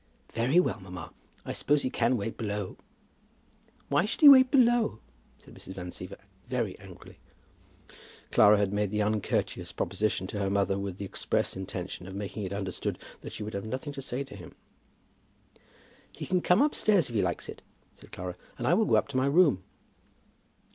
"Very well, mamma. I suppose he can wait below?" "Why should he wait below?" said Mrs. Van Siever, very angrily. Clara had made the uncourteous proposition to her mother with the express intention of making it understood that she would have nothing to say to him. "He can come upstairs if he likes it," said Clara; "and I will go up to my room."